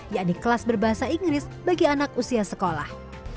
yakni kelas berbahasa inggris bagi anak usia sekolah